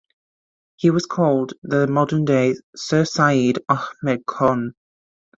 He was called "Modern Day Of Sir Syed Ahmed Khan".